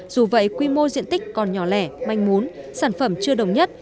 dù vậy quy mô diện tích còn nhỏ lẻ manh mún sản phẩm chưa đồng nhất